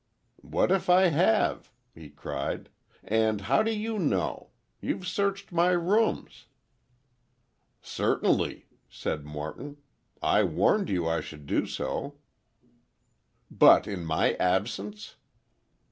"What if I have?" he cried, "and how do you know? You've searched my rooms!" "Certainly," said Morton, "I warned you I should do so." "But, in my absence!"